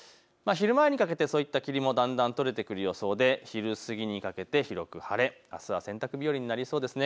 昼前にかけてはその霧もだんだん晴れてくる予想で昼過ぎにかけて広く晴れ、あすは洗濯日和になりそうです。